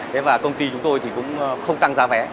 thế và công ty chúng tôi thì cũng không tăng giá vé